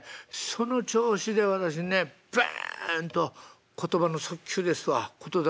その調子で私にねバンと言葉の速球ですわ言霊を。